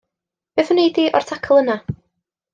Beth wnei di o'r tacl yna?